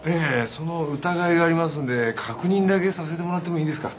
その疑いがありますので確認だけさせてもらってもいいですか？